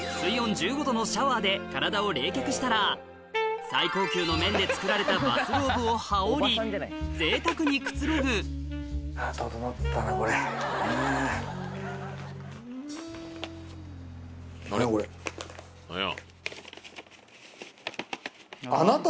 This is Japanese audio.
のシャワーで体を冷却したら最高級の綿で作られたバスローブを羽織りぜいたくにくつろぐ何や？